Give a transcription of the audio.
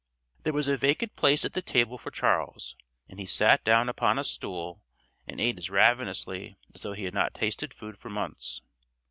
There was a vacant place at the table for Charles, and he sat down upon a stool and ate as ravenously as though he had not tasted food for months.